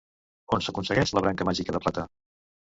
On s'aconsegueix la branca màgica de plata?